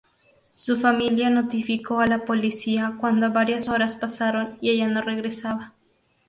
Su familia notificó a la policía cuando varias horas pasaron y ella no regresaba.